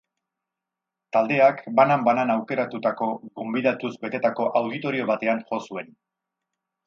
Taldeak, banan-banan aukeratutako gonbidatuz betetako auditorio batean jo zuen.